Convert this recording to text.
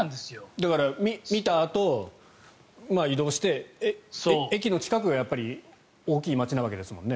だから見たあと移動して駅の近くはやっぱり大きい街なわけですもんね。